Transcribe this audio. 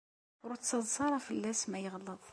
Ur ttaḍsa ara fell-as ma yeɣleḍ.